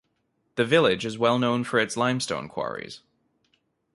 The village is well known for its limestone quarries.